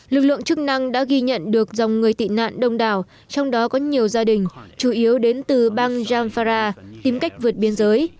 lực lượng chức năng đã ghi nhận được dòng người tị nạn đông đảo trong đó có nhiều gia đình chủ yếu đến từ bang jamfara tìm cách vượt biên giới